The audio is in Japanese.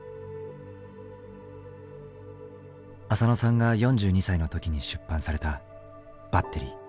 あさのさんが４２歳の時に出版された「バッテリー」。